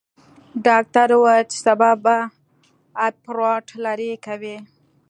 ډاکتر وويل چې سبا به اپرات لرې کوي.